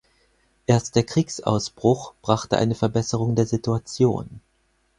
Erst der Kriegsausbruch brachte eine Verbesserung der Situation.